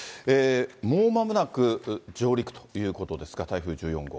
もうまもなく、上陸ということですか、台風１４号。